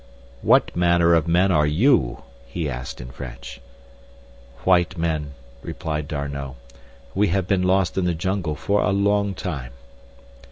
"What manner of men are you?" he asked, in French. "White men," replied D'Arnot. "We have been lost in the jungle for a long time."